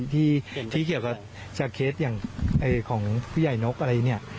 ที่เกี่ยวกับสเคสอย่างของผู้ใหญ่นกอะไรเนี่ย